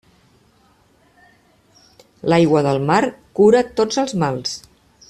L'aigua del mar cura tots els mals.